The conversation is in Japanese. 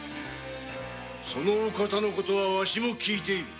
そのお方の事はワシも聞いておる。